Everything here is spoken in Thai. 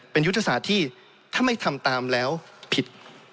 เป็นยุทธศาสตร์ที่ถ้าไม่ทำตามแล้วผิด